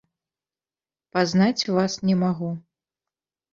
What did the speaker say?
Пазнаць вас не магу.